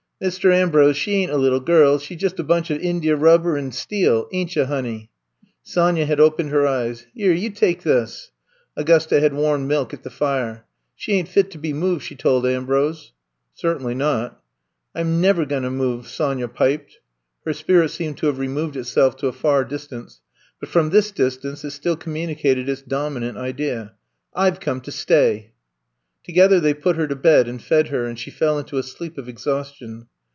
^ Mist' Ambrose, she ain't a little girl, she 's jus' a bunch o' inja rubber an' steel. Ain't yo', honey!" Sonya had opened her eyes. *'Yere, you tak' this." Augusta had warmed milk at the fire. She ain't fit to be moved," she told Ambrose. Certainly not." I 'm never goin' to move," Sonya piped. Her spirit seemed to have re moved itself to a far distance, but from this distance it still communicated its dom inant idea. I 've come to stay !'' To gether they put her to bed and fed her, and she fell into a sleep of exhaustion.